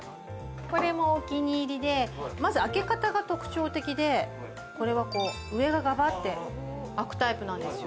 これもお気に入りでまず開け方が特徴的でこれは、上がガバって開くタイプなんですよ。